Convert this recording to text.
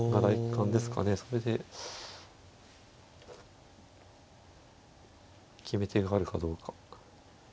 それで決め手があるかどうか。